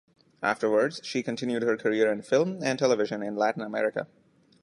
Afterwards, she continued her career in film and television in Latin America.